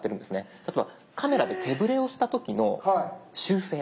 例えばカメラで手ぶれをした時の修正